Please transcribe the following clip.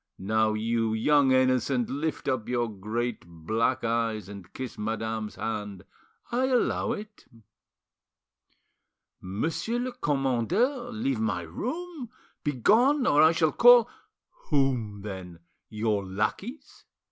Now, you young innocent, lift up your great black eyes and kiss madame's hand; I allow it." "Monsieur le commandeur, leave my room; begone, or I shall call——" "Whom, then? Your lackeys?